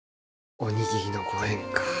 おにぎりのご縁かあ